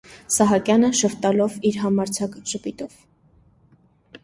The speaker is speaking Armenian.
Սահակյանը՝ ժպտալով իր համարձակ ժպիտով: